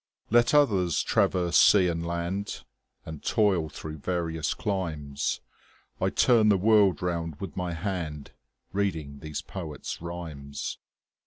Let others traverse sea and land, And toil through various climes, 30 I turn the world round with my hand Reading these poets' rhymes.